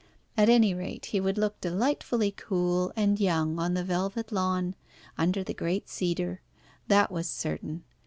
At any rate, he would look delightfully cool and young on the velvet lawn under the great cedar. That was certain.